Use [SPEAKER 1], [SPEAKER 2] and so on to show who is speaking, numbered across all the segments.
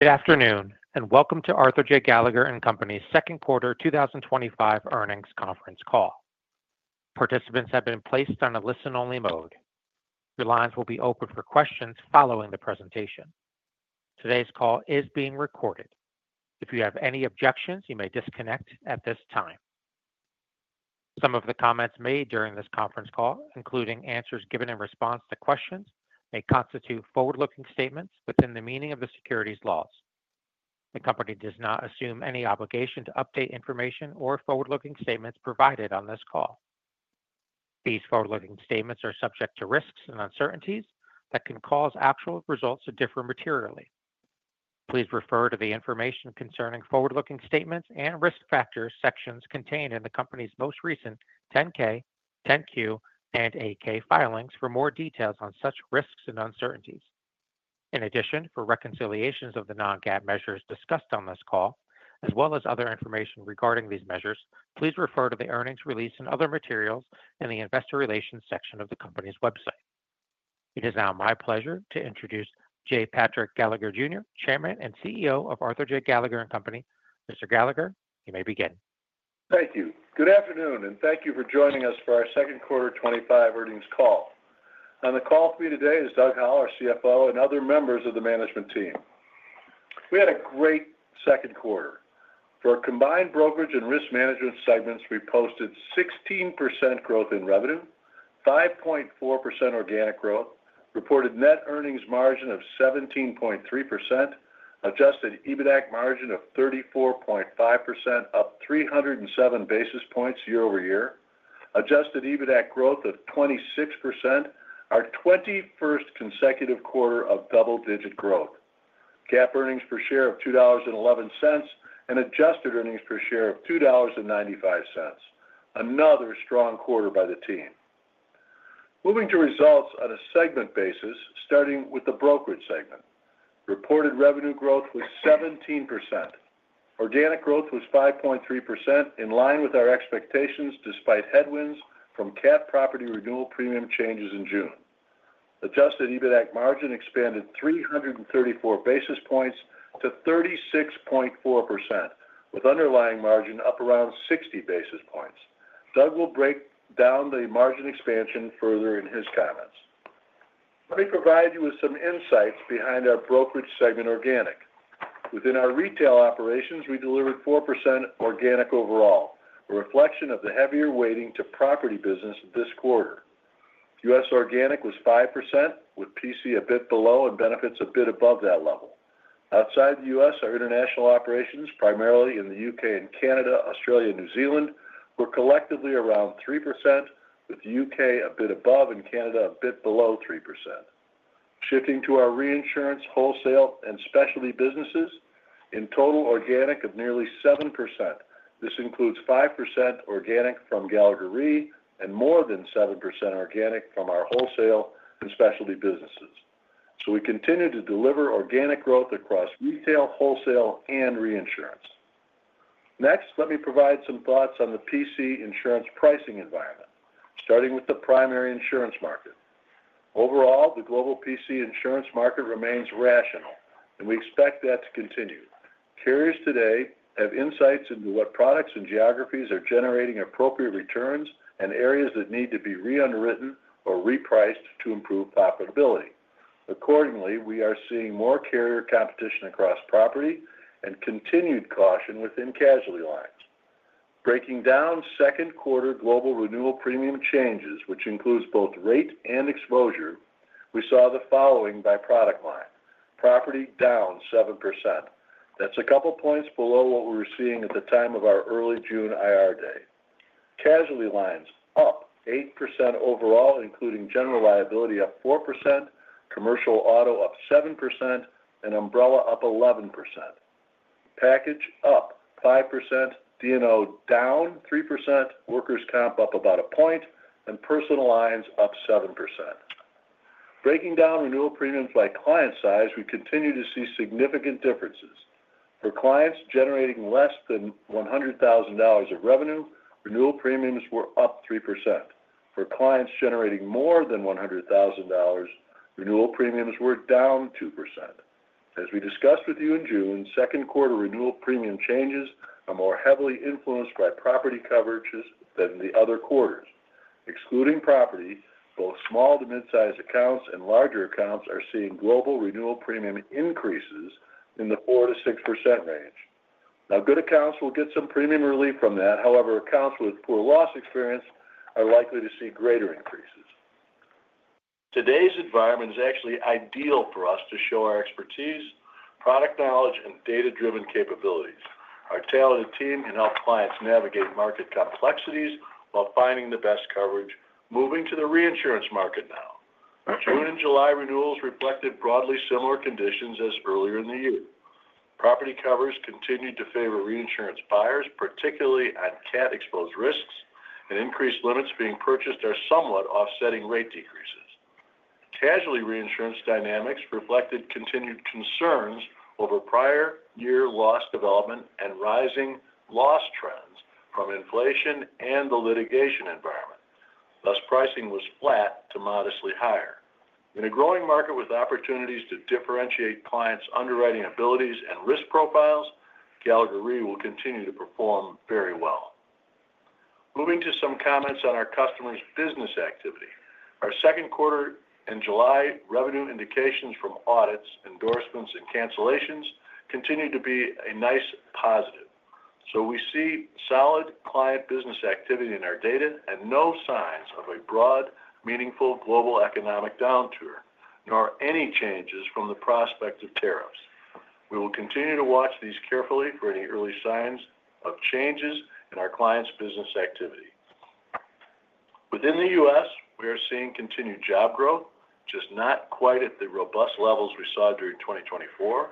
[SPEAKER 1] Good afternoon and welcome to Arthur J. Gallagher & Co's Second Quarter 2025 Earnings Conference Call. Participants have been placed on a listen-only mode. Your lines will be open for questions following the presentation. Today's call is being recorded. If you have any objections, you may disconnect at this time. Some of the comments made during this conference call, including answers given in response to questions, may constitute forward-looking statements within the meaning of the securities laws. The Company does not assume any obligation to update information or forward-looking statements provided on this call. These forward-looking statements are subject to risks and uncertainties that can cause actual results to differ materially. Please refer to the information concerning Forward-Looking Statements and Risk Factors sections contained in the Company's most recent 10-K, 10-Q, and 8-K filings for more details on such risks and uncertainties. In addition, for reconciliations of the non-GAAP measures discussed on this call, as well as other information regarding these measures, please refer to the earnings release and other materials in the Investor Relations section of the Company's website. It is now my pleasure to introduce J Patrick Gallagher, Jr, Chairman and CEO of Arthur J. Gallagher & Co. Mr. Gallagher, you may begin.
[SPEAKER 2] Thank you. Good afternoon and thank you for joining us for our Second Quarter 2025 Earnings Call. On the call with me today is Doug Howell, our CFO, and other members of the management team. We had a great second quarter. For combined brokerage and risk management segments, we posted 16% growth in revenue, 5.4% organic growth, reported net earnings margin of 17.3%, adjusted EBITDA margin of 34.5%, up 307 basis points year-over-year. Adjusted EBITDA growth of 26%. Our 21st consecutive quarter of double-digit growth. GAAP earnings per share of $2.11 and adjusted earnings per share of $2.95. Another strong quarter by the team. Moving to results on a segment basis, starting with the brokerage segment. Reported revenue growth was 17%. Organic growth was 5.3% in line with our expectations despite headwinds from CAT property renewal premium changes in June. Adjusted EBITDA margin expanded 334 basis points to 36.4%, with underlying margin up around 60 basis points. Doug will break down the margin expansion further in his comments. Let me provide you with some insights behind our brokerage segment, organic. Within our retail operations, we delivered 4% organic overall, a reflection of the heavier weighting to property business. This quarter, U.S. organic was 5%, with P&C a bit below and benefits a bit above that level. Outside the U.S., our international operations, primarily in the U.K., Canada, Australia, and New Zealand, were collectively around 3%, with the U.K. a bit above and Canada a bit below 3%. Shifting to our reinsurance, wholesale and specialty businesses, in total organic of nearly 7%. This includes 5% organic from Gallagher Re and more than 7% organic from our wholesale and specialty businesses. We continue to deliver organic growth across retail, wholesale, and reinsurance. Next, let me provide some thoughts on the P&C insurance pricing environment, starting with the primary insurance market. Overall, the global P&C insurance market remains rational, and we expect that to continue. Carriers today have insights into what products and geographies are generating appropriate returns and areas that need to be re-underwritten or repriced to improve profitability. Accordingly, we are seeing more carrier competition across property, continued caution within casualty lines. Breaking down second quarter global renewal premium changes, which includes both rate and exposure, we saw the following by product line: property down 7%. That's a couple points below what we were seeing at the time of our early June IR day. Casualty lines up 8% overall, including general liability up 4%, commercial auto up 7%, and umbrella up 11%, package up 5%, D&O down 3%, workers comp up about a point, and personal lines up 7%. Breaking down renewal premiums by client size, we continue to see significant differences. For clients generating less than $100,000 of revenue, renewal premiums were up 3%. For clients generating more than $100,000, renewal premiums were down 2%. As we discussed with you in June, second quarter renewal premium changes are more heavily influenced by property coverages than the other quarters. Excluding property, both small to mid-sized accounts and larger accounts are seeing global renewal premium increases in the 4%-6% range. Good accounts will get some premium relief from that. However, accounts with poor loss experience are likely to see greater increases. Today's environment is actually ideal for us to show our expertise, product knowledge, and data-driven capabilities. Our talented team can help clients navigate market complexities while finding the best coverage. Moving to the reinsurance market now, June and July renewals reflected broadly similar conditions as earlier in the year. Property covers continued to favor reinsurance buyers, particularly on CAT-exposed risks, and increased limits being purchased are somewhat offsetting rate decreases. Casualty reinsurance dynamics reflected continued concerns over prior year loss development and rising loss trends from inflation and the litigation environment. Thus, pricing was flat to modestly higher. In a growing market with opportunities to differentiate clients, underwriting abilities, and risk profiles, Gallagher Re will continue to perform very well. Moving to some comments on our customers' business activity, our second quarter and July revenue indications from audits, endorsements, and cancellations continue to be a nice positive. We see solid client business activity in our data and no signs of a broad, meaningful global economic downturn nor any changes from the prospect of tariffs. We will continue to watch these carefully for any early signs of changes in our clients' business activity. Within the U.S., we are seeing continued job growth, just not quite at the robust levels we saw during 2024.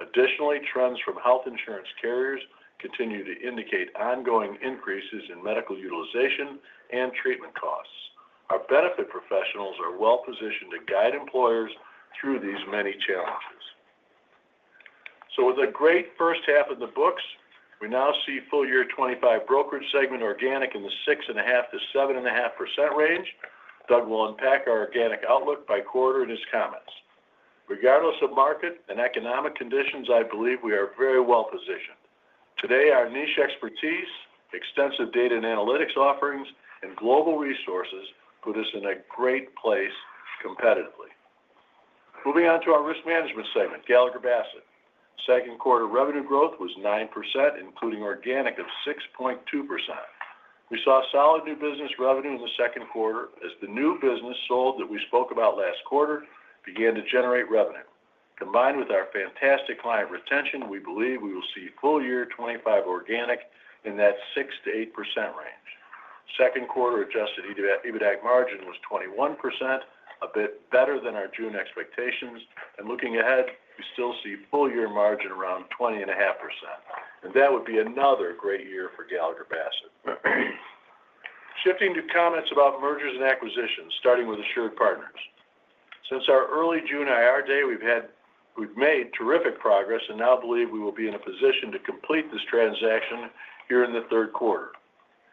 [SPEAKER 2] Additionally, trends from health insurance carriers continue to indicate ongoing increases in medical utilization and treatment costs. Our benefit professionals are well positioned to guide employers through these many challenges. With a great first half of the books, we now see full year 2025 brokerage segment organic in the 6.5%-7.5% range. Doug will unpack our organic outlook by quarter in his comments. Regardless of market and economic conditions, I believe we are very well positioned today. Our niche expertise, extensive data and analytics offerings, and global resources put us in a great place competitively. Moving on to our risk management segment, Gallagher Bassett second quarter revenue growth was 9%, including organic of 6.2%. We saw solid new business revenue in the second quarter as the new business sold that we spoke about last quarter began to generate revenue. Combined with our fantastic client retention, we believe we will see full year 2025 organic in that 6%-8% range. Second quarter adjusted EBITDA margin was 21%, a bit better than our June expectations. Looking ahead, we still see full year margin around 20.5%, and that would be another great year for Gallagher Bassett. Shifting to comments about mergers and acquisitions, starting with AssuredPartners. Since our early June IR day, we've made terrific progress and now believe we will be in a position to complete this transaction here in the third quarter.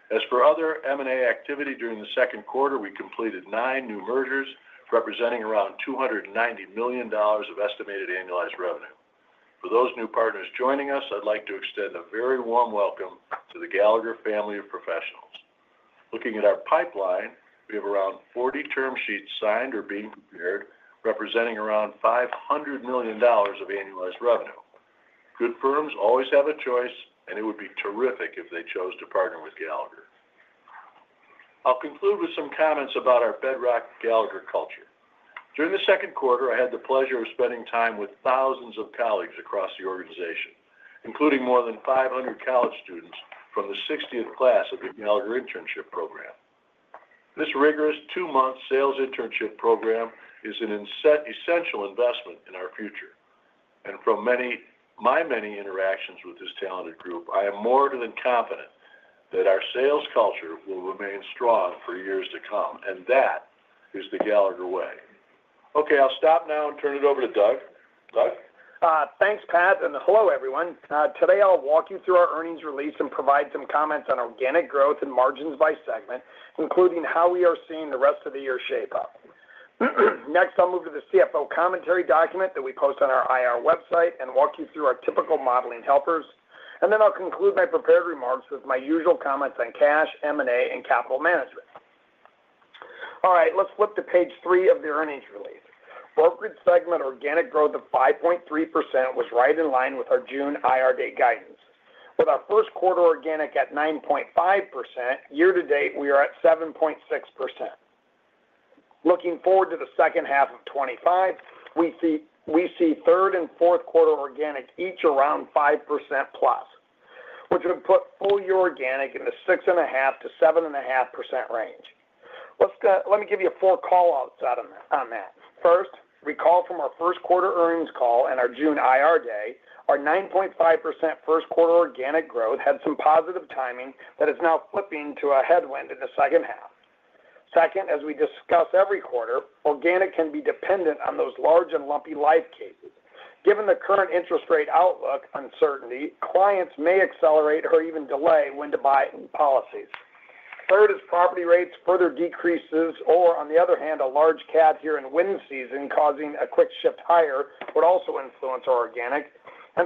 [SPEAKER 2] As for other M&A activity, during the second quarter we completed nine new mergers representing around $290 million of estimated annualized revenue. For those new partners joining us, I'd like to extend a very warm welcome to the Gallagher family of professionals. Looking at our pipeline, we have around 40 term sheets signed or being prepared, representing around $500 million of annualized revenue. Good firms always have a choice, and it would be terrific if they chose to partner with Gallagher. I'll conclude with some comments about our bedrock Gallagher culture. During the second quarter, I had the pleasure of spending time with thousands of colleagues across the organization, including more than 500 college students from the 60th class of the Gallagher internship program. This rigorous two-month sales internship program is an essential investment in our future, and from my many interactions with this talented group, I am more than confident that our sales culture will remain strong for years to come. That is the Gallagher way. I'll stop now and turn it over to Doug. Doug.
[SPEAKER 3] Thanks Pat, and hello everyone. Today I'll walk you through our earnings release and provide some comments on organic growth and margins by segment, including how we are seeing the rest of the year shape up. Next I'll move to the CFO commentary document that we post on our IR website and walk you through our typical modeling helpers. I'll conclude my prepared remarks with my usual comments on cash, M&A, and capital management. All right, let's flip to page three of the earnings release. Brokerage segment organic growth of 5.3% was right in line with our June IR Day guidance. With our first quarter organic at 9.5%, year to date we are at 7.6%. Looking forward to the second half of 2025, we see third and fourth quarter organic each around 5%+, which would put full year organic in the 6.5%-7.5% range. Let me give you four call outs on that. First, recall from our first quarter earnings call and our June IR Day, our 9.5% first quarter organic growth had some positive timing that is now flipping to a headwind in the second half. Second, as we discuss every quarter, organic can be dependent on those large and lumpy life cases. Given the current interest rate outlook uncertainty, clients may accelerate or even delay when to buy policies. Third is property rates. Further decreases or, on the other hand, a large CAT here in wind season causing a quick shift higher would also influence our organic.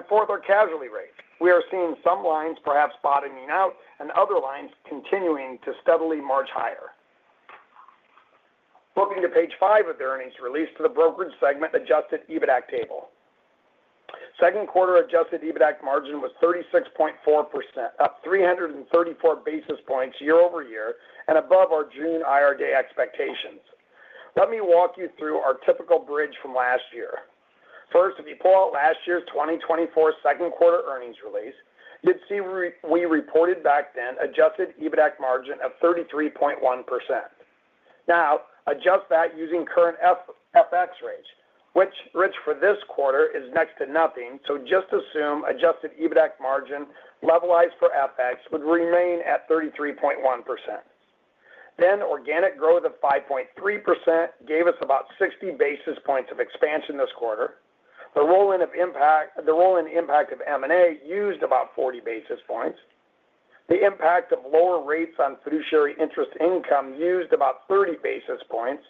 [SPEAKER 3] Fourth are casualty rates. We are seeing some lines perhaps bottoming out and other lines continuing to steadily march higher. Moving to page five of the earnings release to the brokerage segment adjusted EBITDA table, second quarter adjusted EBITDA margin was 36.4%, up 334 basis points year-over-year and above our June IR Day expectations. Let me walk you through our typical bridge from last year. First, if you pull out last year's 2024 second quarter earnings release, you'd see we reported back then adjusted EBITDA margin of 33.1%. Now adjust that using current FX rates, which for this quarter is next to nothing. So just assume adjusted EBITDA margin levelized for FX would remain at 33.1%. Then organic growth of 5.3% gave us about 60 basis points of expansion this quarter. The rolling impact of M&A used about 40 basis points. The impact of lower rates on fiduciary interest income used about 30 basis points,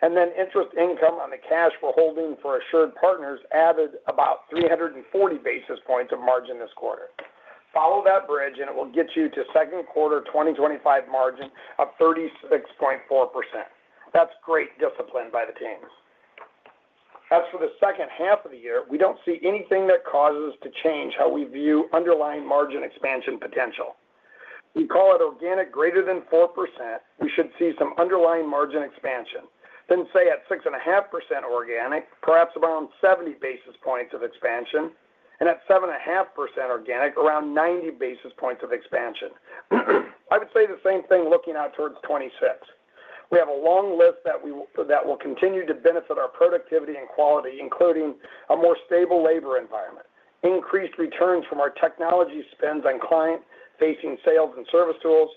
[SPEAKER 3] and then interest income on the cash we're holding for AssuredPartners added about 340 basis points of margin this quarter. Follow that bridge and it will get you to second quarter 2025 margin of 36.4%. That's great discipline by the team. As for the second half of the year, we don't see anything that causes us to change how we view underlying margin expansion potential. We call it organic greater than 4%. We should see some underlying margin expansion, then say at 6.5% organic, perhaps around 70 basis points of expansion, and at 7.5% organic, around 90 basis points of expansion. I would say the same thing looking out towards 2026. We have a long list that will continue to benefit our productivity and quality, including a more stable labor environment, increased returns from our technology spends on client-facing sales and service tools,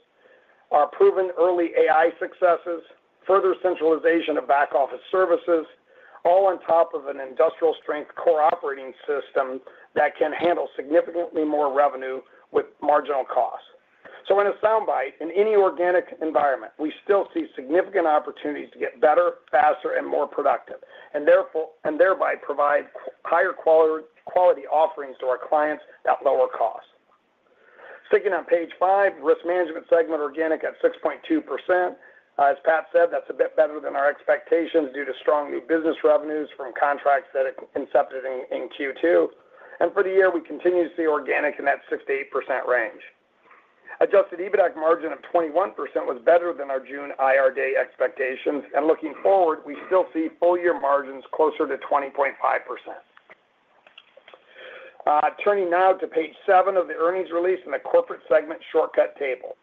[SPEAKER 3] our proven early AI successes, further centralization of back office services, all on top of an industrial strength core operating system that can handle significantly more revenue with marginal costs. In a sound bite, in any organic environment, we still see significant opportunities to get better, faster, and more productive, and thereby provide higher quality offerings to our clients at lower cost. Sticking on page five, risk management segment organic at 6.2%. As Pat said, that's a bit better than our expectations due to strong new business revenues from contracts that incepted in Q2, and for the year we continue to see organic in that 6%-8% range. Adjusted EBITDA margin of 21% was better than our June IR day expectations, and looking forward, we still see full year margins closer to 20.5%. Turning now to page seven of the earnings release, in the corporate segment shortcut table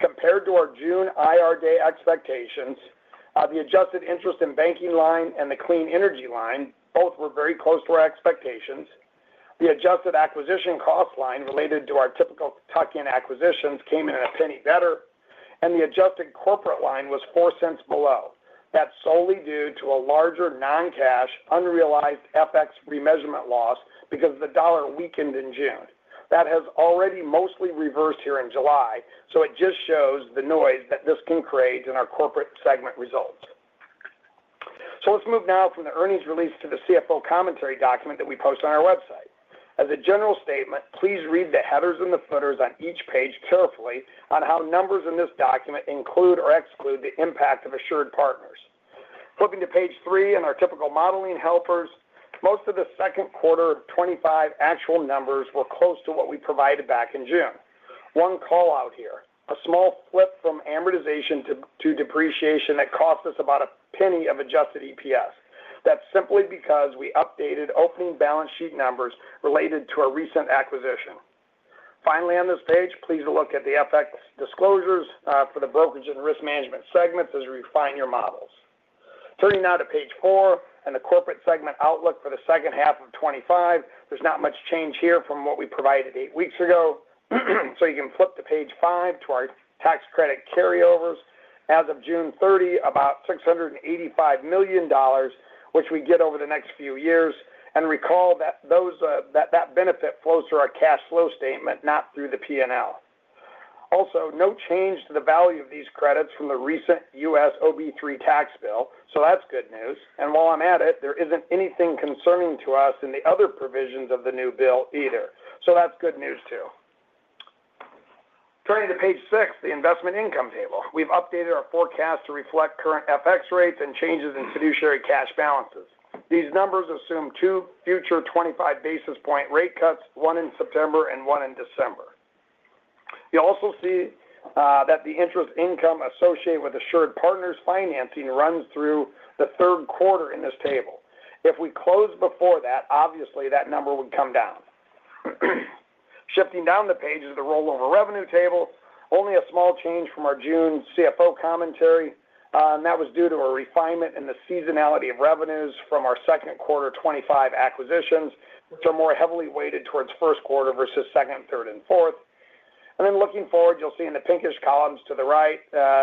[SPEAKER 3] compared to our June IR day expectations, the adjusted interest and banking line and the clean energy line both were very close to our expectations. The adjusted acquisition cost line related to our typical Kentucky and acquisitions came in at a penny better, and the adjusted corporate line was $0.04 below. That's solely due to a larger non-cash unrealized FX remeasurement loss because the dollar weakened in June. That has already mostly reversed here in July. It just shows the noise that this can create in our corporate segment results. Let's move now from the earnings release to the CFO commentary document that we post on our website. As a general statement, please read the headers and the footers on each page carefully on how numbers in this document include or exclude the impact of AssuredPartners. Flipping to page 3 and our typical modeling helpers, most of the second quarter of 2025 actual numbers were close to what we provided back in June. One call-out here, a small flip from amortization to depreciation that cost us about a penny of adjusted EPS. That's simply because we updated opening balance sheet numbers related to a recent acquisition. Finally, on this page, please look at the FX disclosures for the brokerage and risk management segments as you refine your models. Turning now to page 4 and the corporate segment outlook for second half of 2025. There's not much change here from what we provided eight weeks ago, so you can flip to page 5 to our tax credit carryovers as of June 30, about $685 million, which we get over the next few years. Recall that that benefit flows through our cash flow statement, not through the P&L. Also, no change to the value of these credits from the recent U.S. OB3 tax bill. That's good news. While I'm at it, there isn't anything concerning to us in the other provisions of the new bill either, so that's good news too. Turning to page 6, the investment income table, we've updated our forecast to reflect current FX rates and changes in fiduciary cash balances. These numbers assume two future 25 basis point rate cuts, one in September and one in December. You'll also see that the interest income associated with AssuredPartners financing runs through the third quarter in this table. If we close before that, obviously that number would come down. Shifting down the page is the rollover revenue table, only a small change from our June CFO commentary, and that was due to a refinement in the seasonality of revenues from our second quarter 2025 acquisitions, which are more heavily weighted towards first quarter versus second, third, and fourth. Looking forward, you'll see in the pinkish columns to the right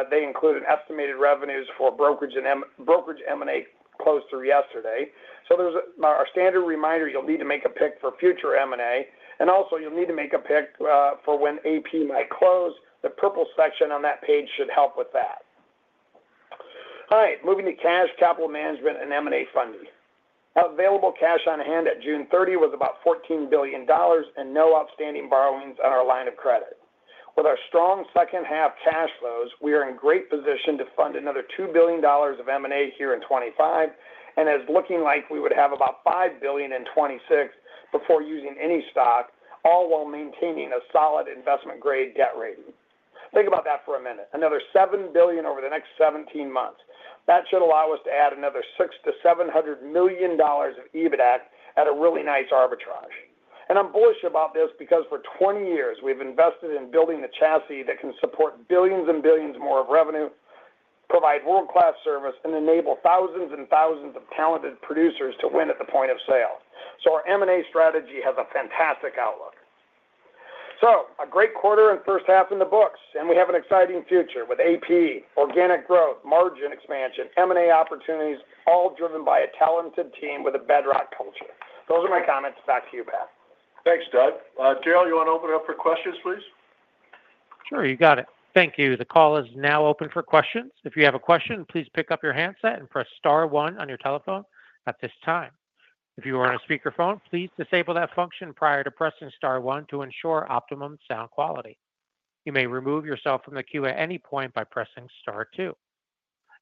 [SPEAKER 3] they include estimated revenues for brokerage M&A closed through yesterday, so there's our standard reminder you'll need to make a pick for future M&A and also you'll need to make a pick for when AP might close. The purple section on that page should help with that. All right, moving to Cash Capital Management and M&A funding. Available cash on hand at June 30 was about $1.4 billion and no outstanding borrowings on our line of credit. With our strong second half cash flows, we are in great position to fund another $2 billion of M&A here in 2025 and it's looking like we would have about $5 billion in 2026 before using any stock, all while maintaining a solid investment-grade debt rating. Think about that for a minute. Another $7 billion over the next 17 months. That should allow us to add another $600-$700 million of EBITDA at a really nice arbitrage. I'm bullish about this because for 20 years we've invested in building the chassis that can support billions and billions more of revenue, provide world-class service, and enable thousands and thousands of talented producers to win at the point of sale. Our M&A strategy has a fantastic outlook. A great quarter and first half in the books and we have an exciting future with AP, organic growth, margin expansion, M&A opportunities, all driven by a talented team with a bedrock culture. Those are my comments. Back to you, Pat.
[SPEAKER 2] Thanks, Doug. Darrell, you want to open it up for questions, please?
[SPEAKER 1] Sure. You got it. Thank you. The call is now open for questions. If you have a question, please pick up your handset and press star one on your telephone at this time. If you are on a speakerphone, please disable that function prior to pressing star one to ensure optimum sound quality. You may remove yourself from the queue at any point by pressing star two.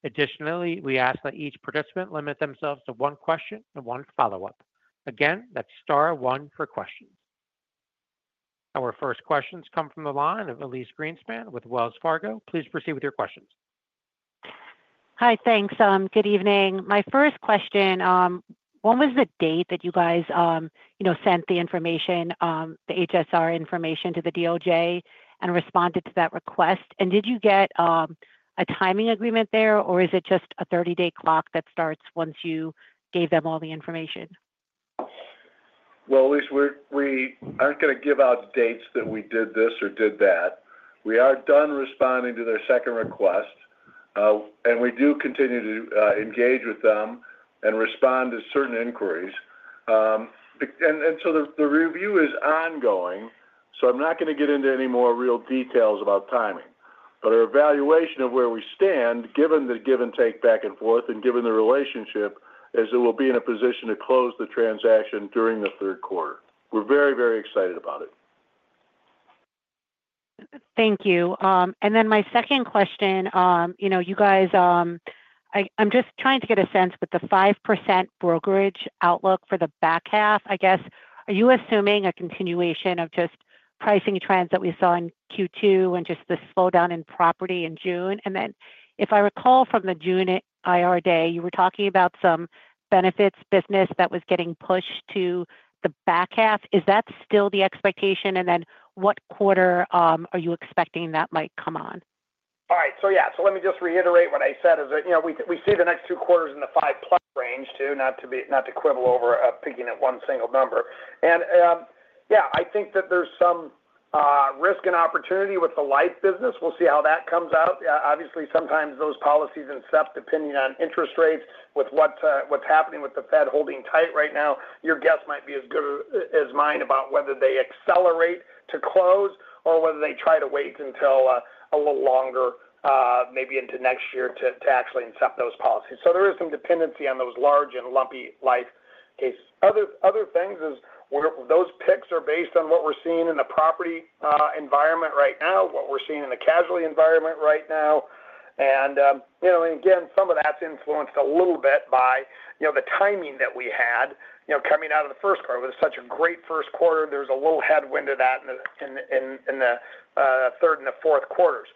[SPEAKER 1] Additionally, we ask that each participant limit themselves to one question and one follow up. Again, that's star one for questions. Our first questions come from the line of Elyse Greenspan with Wells Fargo. Please proceed with your questions.
[SPEAKER 4] Hi, thanks. Good evening. My first question, when was the date that you guys sent the information, the HSR information to the DOJ and responded to that request, and did you get a timing agreement there, or is it just a 30-day clock that starts once you gave them all the information?
[SPEAKER 2] We aren't going to give out dates that we did this or did that. We are done responding to their second request, and we do continue to engage with them and respond to certain inquiries. The review is ongoing. I'm not going to get into any more real details about timing, but our evaluation of where we stand, given the give and take, back and forth and given the relationship, is that we will be in a position to close the transaction during the third quarter. We're very, very excited about it.
[SPEAKER 4] Thank you. My second question, you know, you guys, I'm just trying to get a sense with the 5% brokerage outlook for the back half. I guess are you assuming a continuation of just pricing trends that we saw in Q2 and just the slowdown in property in June? If I recall from June, you were talking about some employee benefits business that was getting pushed to the back half. Is that still the expectation? What quarter are you expecting that might come on?
[SPEAKER 3] All right. Let me just reiterate what I said is that, you know, we see the next two quarters in the 5%+ range too, not to be, not to quibble over picking at one single number. I think that there's some risk and opportunity with the life business. We'll see how that comes out. Obviously, sometimes those policies are incept, depending on interest rates. With what's happening with the Fed holding tight right now, your guess might be as good as mine about whether they accelerate to close or whether they try to wait until a little longer, maybe into next year to actually incept those policies. There is some dependency on those large and lumpy life cases. Other things is those picks are based on what we're seeing in the property environment right now, what we're seeing in the casualty environment right now. Some of that's influenced a little bit by the timing that we had coming out of the first quarter. It was such a great first quarter. There's a little headwind to that in the third and the fourth quarters.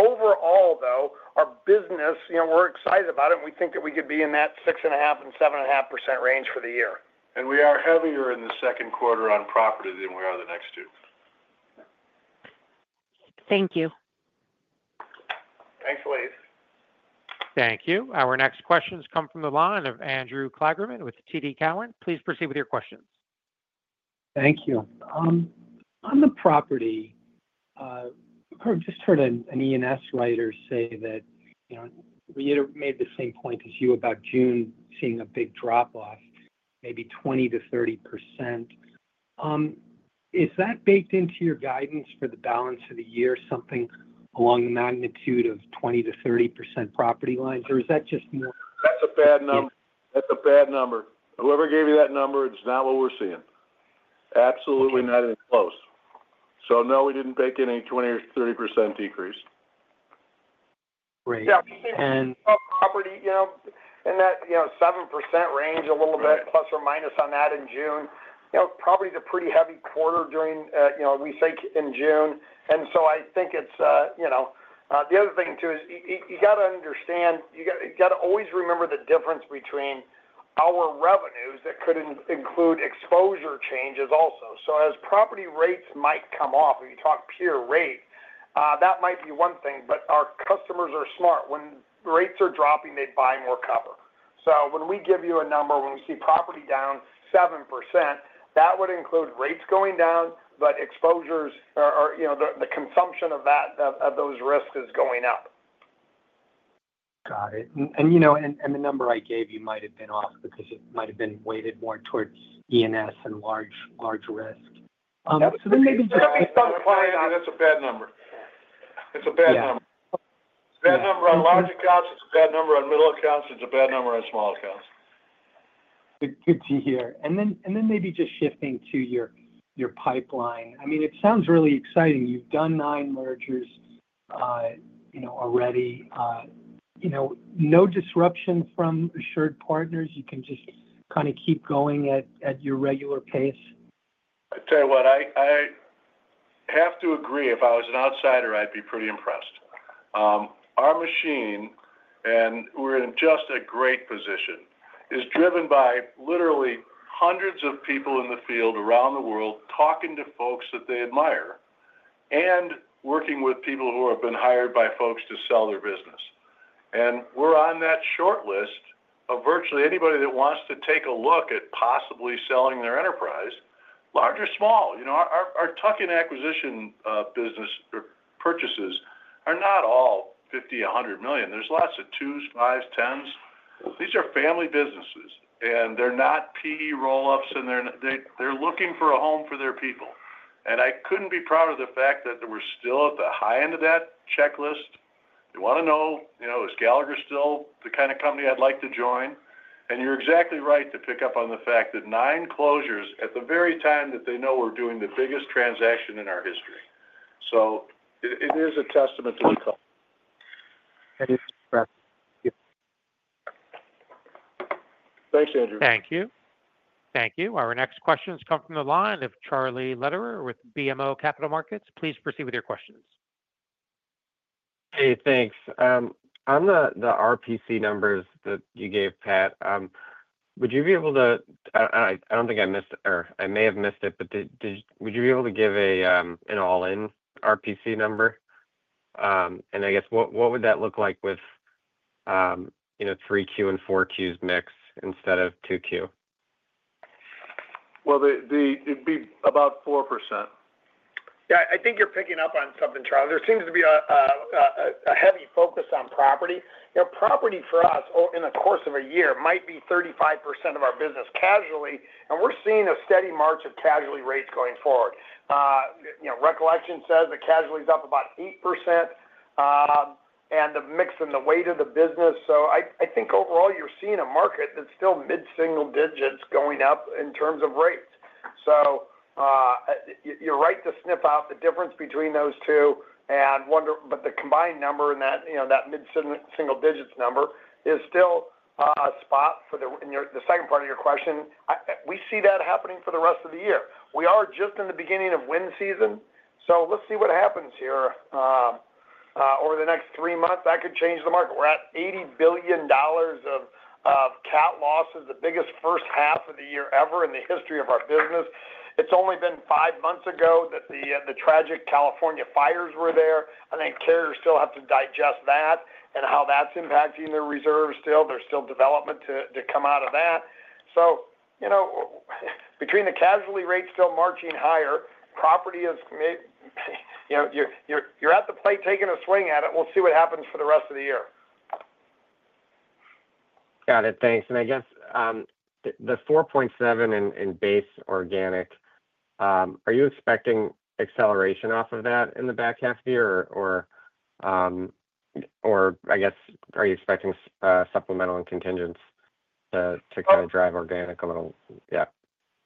[SPEAKER 3] Overall, though, our business, we're excited about it and we think that we could be in that 6.5% and 7.5% range for the year.
[SPEAKER 2] We are heavier in the second quarter on property than we are in the next two.
[SPEAKER 4] Thank you.
[SPEAKER 2] Thanks, Elyse.
[SPEAKER 1] Thank you. Our next questions come from the line of Andrew Kligerman with TD Cowen. Please proceed with your questions.
[SPEAKER 5] Thank you. On the property, I just heard an E&S writer say that, you know, Rita made the same point as you about June, seeing a big drop off, maybe 20%-30%. Is that baked into your guidance for the balance of the year, something along the magnitude of 20%-30% property lines, or is that just more?
[SPEAKER 2] That's a bad number. That's a bad number. Whoever gave you that number, it's not what we're seeing. Absolutely not even close. No, we didn't make any 20% or 30% decrease.
[SPEAKER 5] Great.
[SPEAKER 3] Property, you know, in that 7% range, a little bit plus or minus on that in June, property's a pretty heavy quarter during, you know, we think in June. I think it's, you know, the other thing too is you got to understand, you got to always remember the difference between our revenues. That could include exposure changes also. As property rates might come off, if you talk pure rate, that might be one thing. Our customers are smart. When rates are dropping, they buy more coverage. When we give you a number, when we see property down 7%, that would include rates going down, but exposures or, you know, the consumption of that, of those risks is going up.
[SPEAKER 5] Got it. You know, the number I gave you might have been off because. It might have been weighted more towards E&S and large. Large risk.
[SPEAKER 2] That's a bad number. It's a bad number. Bad number on large accounts, it's a bad number on middle accounts, it's a bad number on small accounts.
[SPEAKER 5] Good to hear. Maybe just shifting to your pipeline, it sounds really exciting. You've done nine mergers already. No disruption from AssuredPartners. You can just kind of keep going at your regular pace.
[SPEAKER 2] I tell you what, have to agree. If I was an outsider, I'd be pretty impressed. Our machine, and we're in just a great position, is driven by literally hundreds of people in the field around the world talking to folks that they admire and working with people who have been hired by folks to sell their business. We're on that short list of virtually anybody that wants to take a look at possibly selling their enterprise, large or small. You know, our tuck-in acquisition business purchases are not all $50 million, $100 million. There's lots of twos, fives, tens. These are family businesses, and they're not PE roll-ups, and they're looking for a home for their people. I couldn't be prouder of the fact that we're still at the high end of that checklist. We want to know, you know, is Gallagher still the kind of company I'd like to join? You're exactly right to pick up on the fact that nine closures at the very time that they know we're doing the biggest transaction in our history. It is a testament to the. Thanks, Andrew.
[SPEAKER 1] Thank you. Thank you. Our next questions come from the line of Charlie Lederer with BMO Capital Markets. Please proceed with your questions.
[SPEAKER 6] Hey, thanks. On the RPC numbers that you gave Pat, would you be able to, I don't think I missed, or I may have missed it, but would you be able to give an all-in RPC number, and I guess what would that look like with, you know, 3Q and 4Q's mix instead of 2Q?
[SPEAKER 2] It'd be about 4%.
[SPEAKER 3] Yeah, I think you're picking up on something, Charles. There seems to be a heavy focus on property. Property for us in the course of a year might be 35% of our business. Casually, we're seeing a steady march of casualty rates going forward. Recollection says that casualty is up about 8% and the mix and the weight of the business. I think overall you're seeing a market that's still mid-single digits going up in terms of rates. You're right to snip out the difference between those two and wonder, but the combined number and that mid-single digits number is still a spot. For the second part of your question, we see that happening for the rest of the year. We are just in the beginning of wind season. Let's see what happens here over the next three months that could change the market. We're at $80 billion of CAT losses, the biggest first half of the year ever in the history of our business. It's only been five months ago that the tragic California fires were there. I think carriers still have to digest that and how that's impacting their reserves still. There's still development to come out of that. Between the casualty rate still marching higher, property is, you know, you're at the plate taking a swing at it. We'll see what happens for the rest of the year.
[SPEAKER 6] Got it. Thanks. I guess the 4.7% in base organic, are you expecting acceleration off of that in the back half year or are you expecting supplemental and contingents to kind of drive organic a little?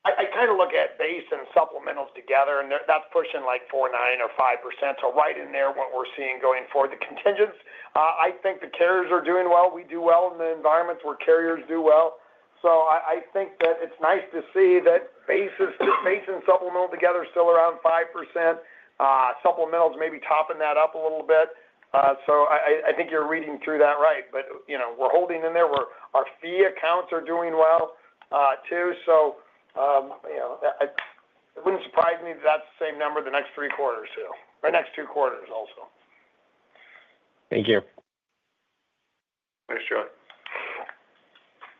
[SPEAKER 3] I kind of look at base and supplementals together and that's pushing like 4.9% or 5%. Right in there, what we're seeing going forward, the contingents, I think the carriers are doing well. We do well in the environments where carriers do well. I think that it's nice to see that base and supplemental together still around 5%. Supplemental is maybe topping that up a little bit. I think you're reading through that right. We're holding in there where our fee accounts are doing well too. So. It wouldn't surprise me that that's the same number the next three quarters for the next two quarters also.
[SPEAKER 6] Thank you.
[SPEAKER 2] Thanks Charlie.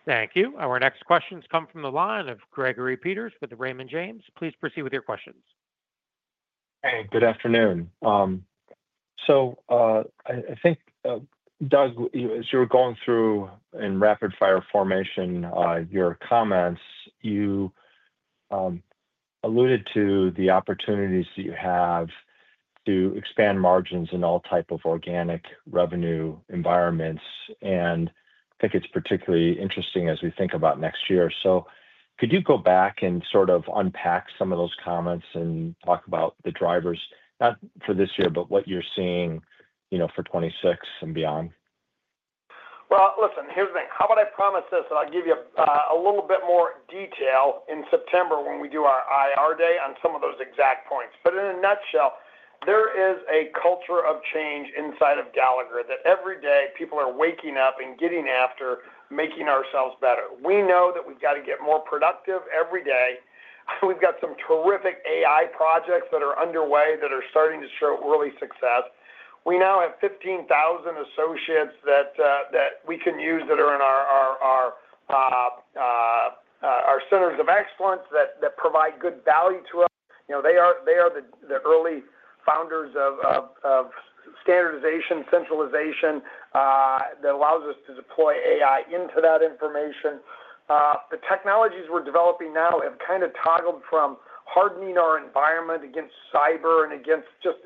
[SPEAKER 1] Thank you. Our next questions come from the line of Gregory Peters with Raymond James. Please proceed with your questions.
[SPEAKER 7] Hey, good afternoon. I think, Doug, as you were going through in rapid fire formation, your comments, you alluded to the opportunities that you have to expand margins in all type of organic revenue environments. I think it's particularly interesting as we think about next year. Could you go back and sort of unpack some of those comments and talk about the drivers not for this year, but what you're seeing for 2026 and beyond?
[SPEAKER 3] Here's the thing. How about I promise this and I'll give you a little bit more detail in September when we do our IR day on some of those exact points. In a nutshell, there is a culture of change inside of Gallagher that every day people are waking up and getting after making ourselves better. We know that we've got to get more productive every day. We've got some terrific AI projects that are underway that are starting to show early success. We now have 15,000 associates that we can use that in our. Our centers of excellence that provide good value to us. They are the early founders of standardization and centralization that allows us to deploy AI into that information. The technologies we're developing now have kind of toggled from hardening our environment against cyber and against just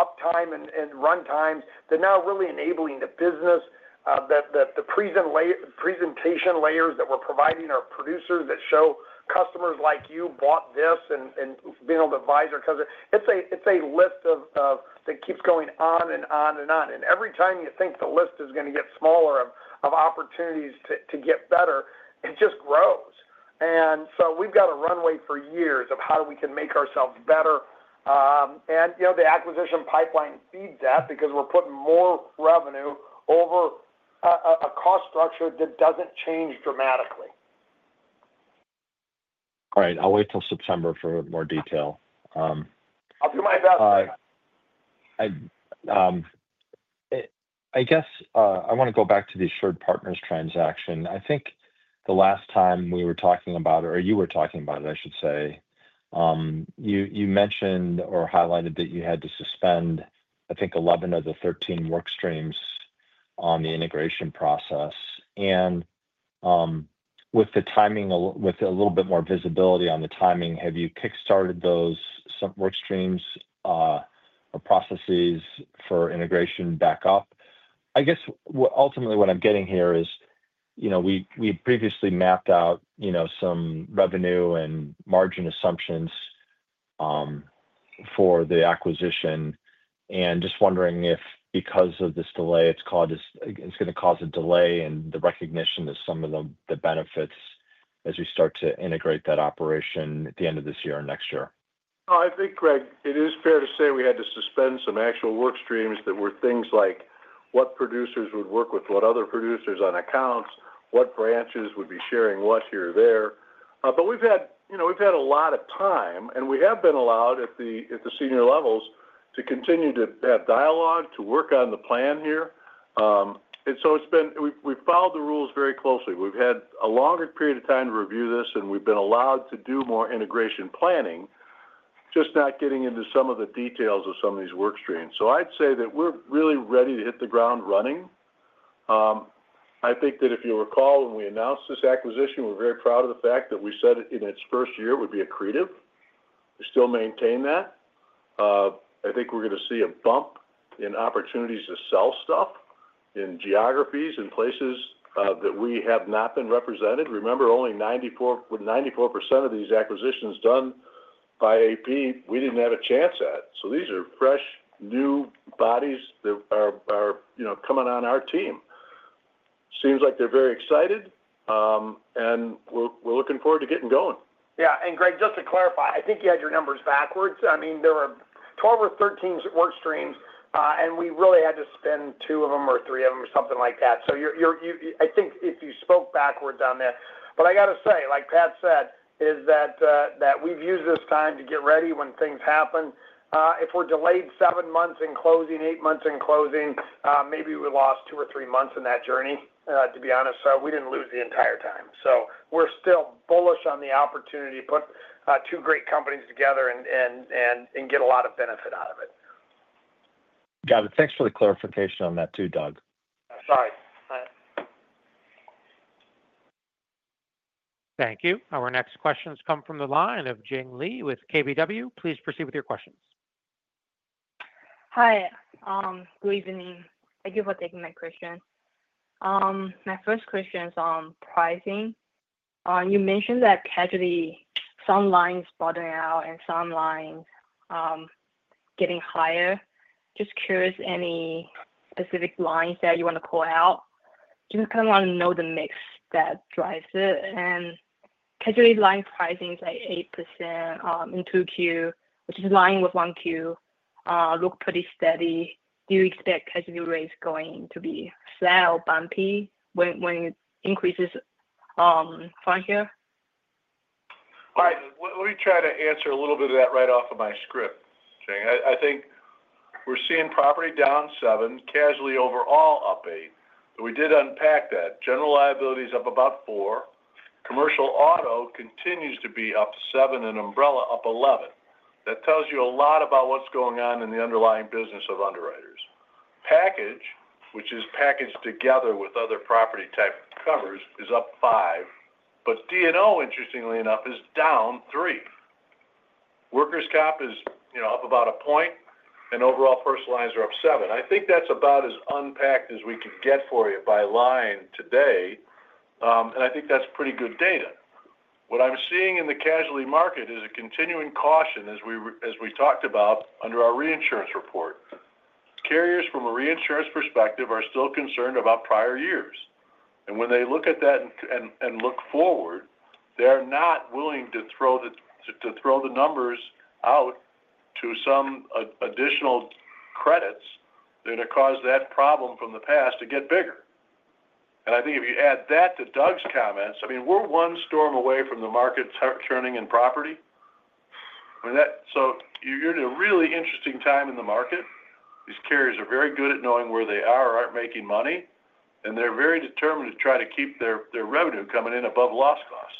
[SPEAKER 3] uptime and runtimes to now really enabling the business. The presentation layers that we're providing our producers show customers like you bought this and being able to advise because it's a list that keeps going on and on and on. Every time you think the list is going to get smaller of opportunities to get better, it just grows. We've got a runway for years of how we can make ourselves better. The acquisition pipeline feeds that because we're putting more revenue over a cost structure that doesn't change dramatically.
[SPEAKER 7] All right, I'll wait till September for more detail.
[SPEAKER 3] I'll do my best.
[SPEAKER 7] I guess I want to go back to the AssuredPartners transaction. I think the last time we were talking about, or you were talking about it, I should say, you mentioned or highlighted that you had to suspend, I think, 11 of the 13 work streams on the integration process. With the timing, with a little bit more visibility on the timing, have you kick started those work streams or processes for integration back up? I guess ultimately what I'm getting here is, you know, we previously mapped out some revenue and margin assumptions. For the acquisition and just wondering if because of this delay, it's going to cause a delay in the recognition of some of the benefits as we start to integrate that operation at the end of this year and next year.
[SPEAKER 2] I think, Greg, it is fair to say we had to suspend some actual work streams that were things like what producers would work with what other producers on accounts, what branches would be sharing what here or there. We've had, you know, we've had. A lot of time, and we have. We've been allowed at the senior levels to continue to have dialogue, to work on the plan here. We've followed the rules very closely. We've had a longer period of time to review this, and we've been allowed to do more integration planning, just not getting into some of the details of some of these work streams. I'd say that we're really ready to hit the ground running. I think that if you recall when we announced this acquisition, we're very proud of the fact that we said in its first year it would be accretive. We still maintain that. I think we're going to see a bump in opportunities to sell stuff in geographies and places that we have not been represented. Remember, only 94% of these acquisitions done by AssuredPartners we didn't have a chance at. These are fresh new bodies that are coming on. Our team seems like they're very excited, and we're looking forward to getting going.
[SPEAKER 3] Yeah. Greg, just to clarify, I think you had your numbers backwards. I mean there were 12 or 13 work streams and we really had to spend two of them or three of them or something like that. I think you spoke backwards on that, but I got to say, like Pat said, we've used this time to get ready when things happen. If we're delayed seven months in closing, eight months in closing, maybe we lost two or three months in that journey. To be honest, we didn't lose the entire time. We're still bullish on the opportunity to put two great companies together and get a lot of benefit out of it.
[SPEAKER 7] Got it. Thanks for the clarification on that too, Doug.
[SPEAKER 3] Sure.
[SPEAKER 1] Thank you. Our next questions come from the line of Jing Li with KBW. Please proceed with your questions.
[SPEAKER 8] Hi, good evening. Thank you for taking my question. My first question is on pricing. You mentioned that casualty, some lines bottoming out and some lines getting higher. Just curious, any specific lines that you want to call out? Just kind of want to know the mix that drives it, and casualty line pricing is like 8% in 2Q, which is in line with 1Q, look pretty steady. Do you expect casualty rates going to be flat or bumpy when it increases further?
[SPEAKER 2] All right, let me try to answer a little bit of that right off of my script. I think we're seeing property down 7%, casualty overall up 8%. We did unpack that general liability is up about 4%. Commercial auto continues to be up 7% and umbrella up 11%. That tells you a lot about what's going on in the underlying business of underwriters. Package, which is packaged together with other property type covers, is up 5%. D&O, interestingly enough, is down 3%. Workers comp is up about a point and overall personal lines are up 7%. I think that's about as unpacked as we can get for you by line today. I think that's pretty good data. What I'm seeing in the casualty market is a continuing caution as we talked about under our reinsurance report. Carriers from a reinsurance perspective are still concerned about prior years. When they look at that and look forward, they're not willing to throw the numbers out to some additional credits that have caused that problem from the past to get bigger. If you add that to Doug's comments, we're one storm away from the market churning in property. You're in a really interesting time in the market. These carriers are very good at knowing where they are or aren't making money and they're very determined to try to keep their revenue coming in above loss costs.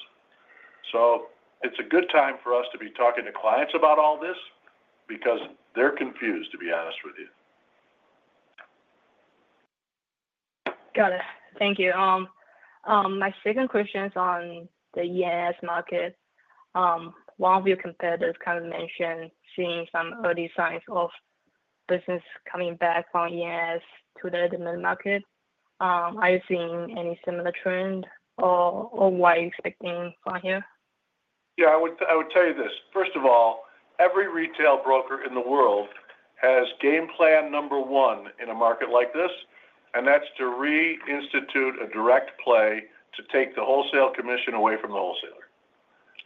[SPEAKER 2] It's a good time for us to be talking to clients about all this because they're confused, to be honest with you.
[SPEAKER 8] Got it. Thank you. My second question is on the E&S market. One of your competitors kind of mentioned seeing some early signs of business coming back from E&S to the admitted market. Are you seeing any similar trend or what are you expecting from here?
[SPEAKER 2] Yeah. I would tell you this. First of all, every retail broker in the world has game plan number one in a market like this, and that's to re-institute a direct play to take the wholesale commission away from the wholesaler.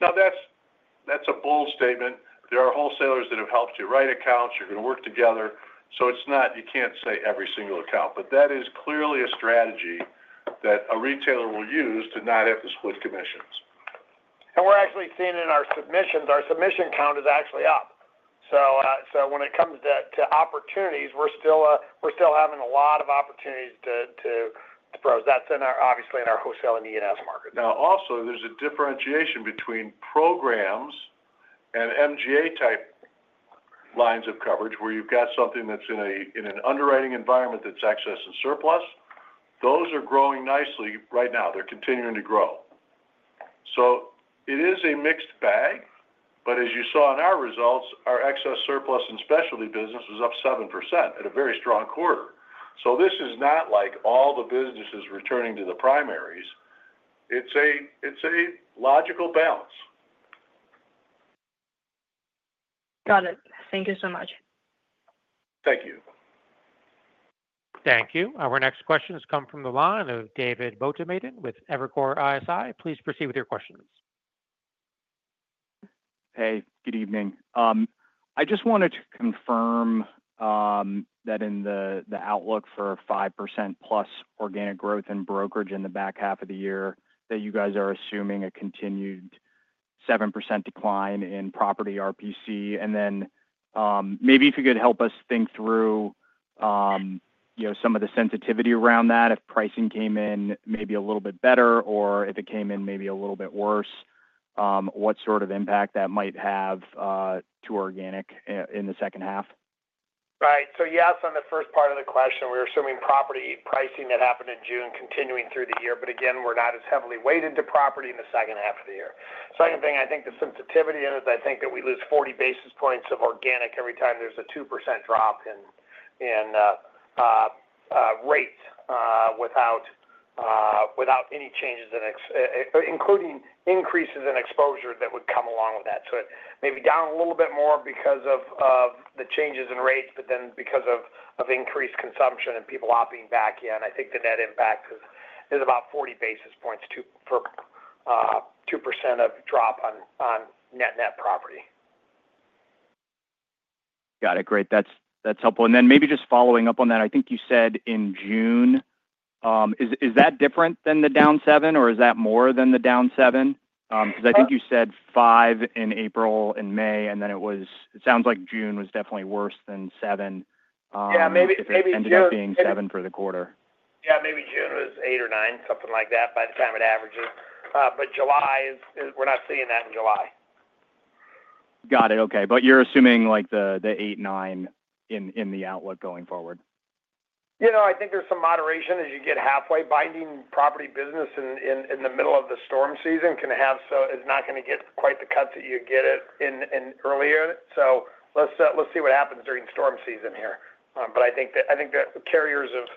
[SPEAKER 2] Now that's a bold statement. There are wholesalers that have helped you write accounts, you're going to work together. It's not, you can't say every single account, but that is clearly a strategy that a retailer will use to not have to split commissions.
[SPEAKER 3] We're actually seeing in our submissions, our submission count is actually up. When it comes to opportunities, we're still having a lot of opportunities to pros. That's obviously in our wholesale and specialty businesses. Market.
[SPEAKER 2] Now also, there's a differentiation between programs and MGA type lines of coverage where you've got something that's in an underwriting environment, that's excess and surplus. Those are growing nicely right now. They're continuing to grow. It is a mixed bag. As you saw in our results, our excess surplus and specialty business was up 7% at a very strong quarter. This is not like all the businesses returning to the primaries. It's a logical balance.
[SPEAKER 8] Got it. Thank you so much.
[SPEAKER 2] Thank you.
[SPEAKER 1] Thank you. Our next question has come from the line of David Motemaden with Evercore ISI. Please proceed with your questions.
[SPEAKER 9] Hey, good evening. I just wanted to confirm that in the outlook for 5%+ organic growth in brokerage in the back half of the year, you guys are assuming a continued 7% decline in property RPC. Maybe if you could help us think through some of the sensitivity around that, if pricing came in maybe. A little bit better or if it. Came in maybe a little bit worse, what sort of impact that might have to organic in the second half?
[SPEAKER 3] Right. Yes, on the first part of the question, we're assuming property pricing that happened in June, continuing through the year. We're not as heavily weighted to property in the second half of the year. The second thing I think the sensitivity is, I think that we lose 40 basis points of organic every time there's a 2% drop in rates without any changes, including increases in exposure that would come along with that. It may be down a little bit more because of the changes in rates. Because of increased consumption and people opting back in, I think the net impact is about 40 basis points for 2% of drop on net-net property.
[SPEAKER 9] Got it. Great, that's helpful. Maybe just following up on that, I think you said in June. Is that different than the down 7%? Is that more than the down 7? I think you said 5 in April and May, and then it sounds like June was definitely worse than 7. Maybe it ended up being 7 for the quarter.
[SPEAKER 3] Yeah, maybe June was eight or nine, something like that by the time it averages. July, we're not seeing that in July.
[SPEAKER 9] Got it. Okay. You're assuming like the 8%, 9% in the outlook going forward.
[SPEAKER 3] I think there's some moderation as you get halfway binding property business in the middle of the storm season can have. It's not going to get quite the cuts that you get in earlier. Let's see what happens during storm season here. I think that carriers have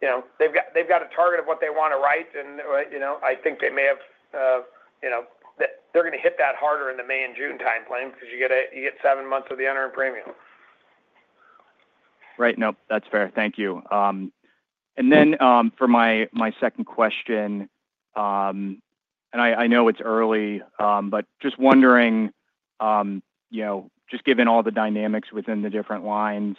[SPEAKER 3] a target of what they want to write, and I think they may have, they're going to hit that harder in the May and June time frame because you get seven months of the unearned premium.
[SPEAKER 9] Right. That's fair. Thank you. For my second question. And. I know it's early, but just wondering, you know, just given all the dynamics within the different lines,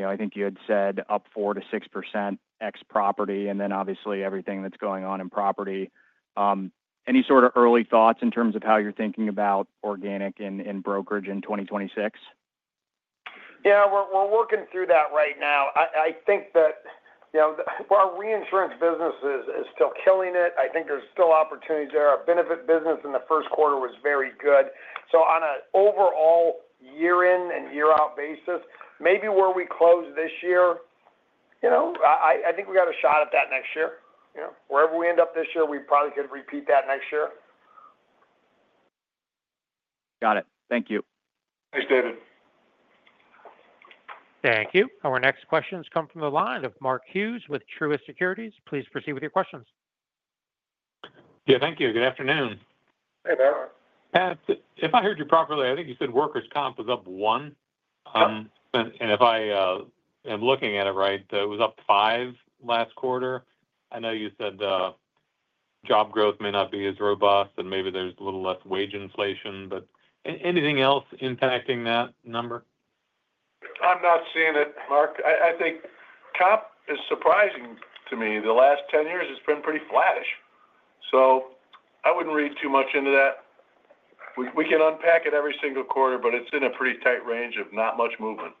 [SPEAKER 9] I think you had said up 4%-6% ex property and then obviously everything that's going on in property. Any sort of early thoughts in terms of how you're thinking about organic and brokerage in 2026?
[SPEAKER 3] Yeah, we're working through that right now. I think that, you know, our reinsurance business is still killing it. I think there's still opportunities there. Our benefit business in the first quarter was very good. On an overall year in, year out basis, maybe where we close this year, you know, I think we got a shot at that next year. Wherever we end up this year, we probably could repeat that next year.
[SPEAKER 9] Got it. Thank you.
[SPEAKER 2] [It's good].
[SPEAKER 1] Thank you. Our next questions come from the line of Mark Hughes with Truist Securities. Please proceed with your questions.
[SPEAKER 10] Yeah, thank you. Good afternoon. Pat, if I heard you properly, I think you said workers comp was up 1%, and if I am looking at it right, it was up 5% last quarter. I know you said job growth may not be as robust and maybe there's a little less wage inflation, but anything else impacting that number?
[SPEAKER 2] I'm not seeing it, Mark. I think comp is surprising to me. The last 10 years it's been pretty flattish. I wouldn't read too much into that. We can unpack it every single quarter, but it's in a pretty tight range of not much movement.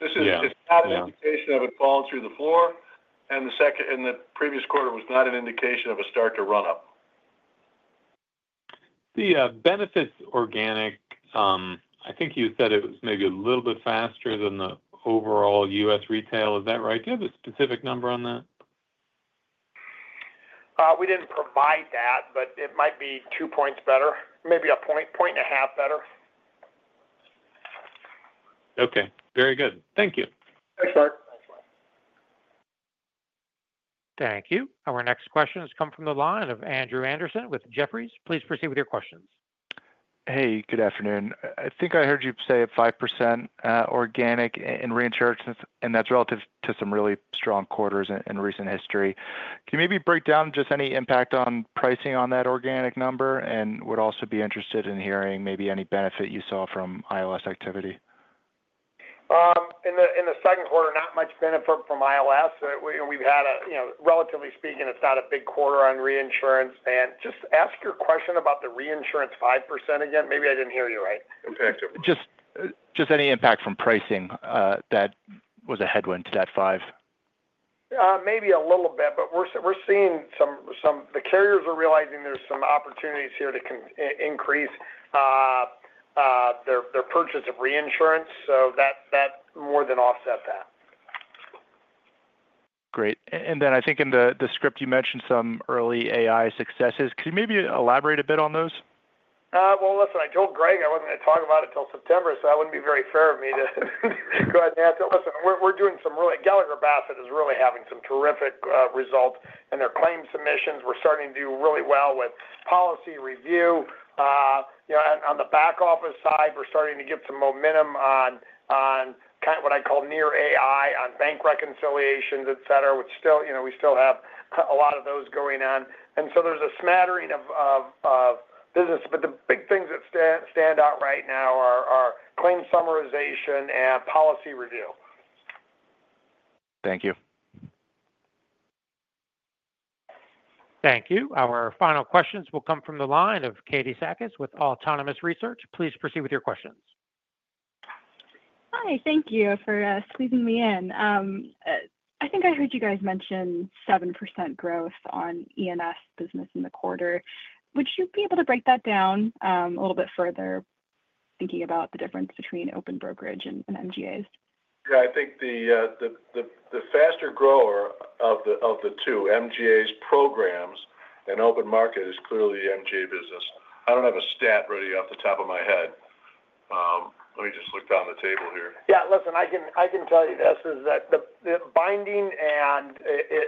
[SPEAKER 2] This is not an indication of it falling through the floor. The second in the previous quarter was not an indication of a start to run up
[SPEAKER 10] The benefits. Organic. I think you said it was maybe a little bit faster than the overall U.S. retail. Is that right? Do you have a specific number on that?
[SPEAKER 3] We didn't provide that, but it might be 2 points better. Maybe a point, point and a half better.
[SPEAKER 10] Okay, very good. Thank you.
[SPEAKER 3] Thanks, Mark.
[SPEAKER 1] Thank you. Our next question has come from the line of Andrew Andersen with Jefferies. Please proceed with your questions.
[SPEAKER 11] Hey, good afternoon. I think I heard you say. 5% organic in reinsurance, and that's relative to some really strong quarters in recent history. Can you maybe break down just any impact on pricing on that organic number, and would also be interested in hearing maybe any benefit you saw from ILS. Activity?
[SPEAKER 3] In the second quarter, not much benefit from ILS. We've had, relatively speaking, it's not a big quarter on reinsurance. Just to ask your question about the reinsurance, 5% again, maybe I didn't hear you right.
[SPEAKER 11] Just any impact from pricing, that was. A headwind to that five,
[SPEAKER 3] Maybe a little bit. We're seeing some. The carriers are realizing there's some opportunities here to increase their purchase of reinsurance, so that's more than offset, that.
[SPEAKER 11] Great. I think in the script you mentioned some early AI successes. Can you maybe elaborate a bit on those?
[SPEAKER 3] I told Greg I wasn't going to talk about it until September, so that wouldn't be very fair of me to go ahead and answer. Listen, we're doing some really. Gallagher Bassett is really having some terrific results. Their claim submissions, we're starting to do really well with policy review on the back office side. We're starting to get some momentum on what I call near AI, on bank reconciliations, et cetera, which still, we still have a lot of those going on. There's a smattering of business, but the big things that stand out right now are claim summarization and policy review.
[SPEAKER 11] Thank you.
[SPEAKER 1] Thank you. Our final questions will come from the line of Katie Sackis with Autonomous Research. Please proceed with your questions.
[SPEAKER 12] Hi. Thank you for squeezing me in. I think I heard you guys mention 7% growth on E&S business in the quarter. Would you be able to break that down a little bit further, thinking about the difference between open brokerage and MGAs?
[SPEAKER 2] Yeah, I think the faster grower of the two MGA's programs and open market is clearly the MGA business. I don't have a stat ready off the top of my head. Let me just look down the table here.
[SPEAKER 3] Yeah, listen, I can tell you this is that binding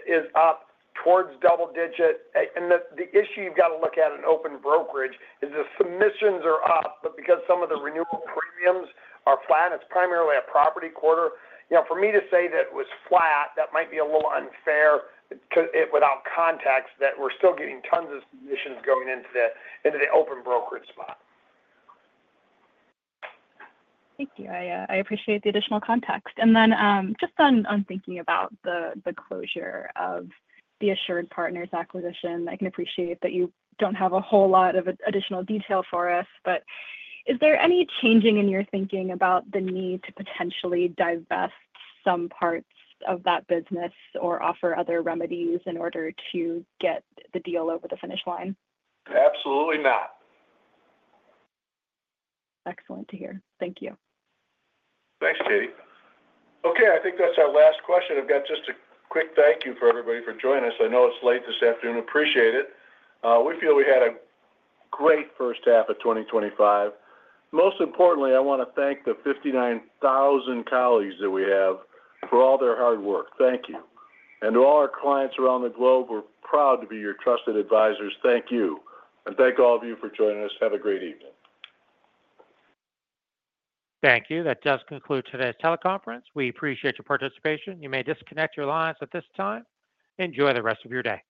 [SPEAKER 3] is up towards double digit. The issue you've got to look at in open brokerage is the submissions are up, but because some of the renewal premiums are flat, it's primarily a property quarter. For me to say that it was flat, that might be a little unfair without context that we're still getting tons of submissions going into the open brokerage spot.
[SPEAKER 12] Thank you. I appreciate the additional context. Just on thinking about the closure of the AssuredPartners acquisition, I can appreciate that you have a whole lot of additional detail for us, but is there any changing in your thinking about the need to potentially divest some parts of that business or offer other remedies in order to get the deal over the finish line?
[SPEAKER 2] Absolutely not.
[SPEAKER 12] Excellent to hear. Thank you.
[SPEAKER 2] Thanks, Katie. Okay, I think that's our last question. I've got just a quick thank you for everybody for joining us. I know it's late this afternoon. Appreciate it. We feel we had a great first half of 2025. Most importantly, I want to thank the 59,000 colleagues that we have for all their hard work. Thank you. To all our clients around the globe, we're proud to be your trusted advisors. Thank you, and thank all of you for joining us. Have a great evening.
[SPEAKER 1] Thank you. That does conclude today's teleconference. We appreciate your participation. You may disconnect your lines at this time. Enjoy the rest of your day.